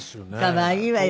可愛いわよ